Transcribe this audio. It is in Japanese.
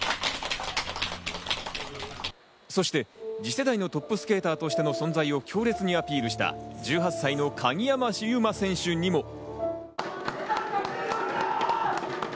そして次世代のトップスケーターとしての存在を強烈にアピールした１８歳の鍵山優真選手にも。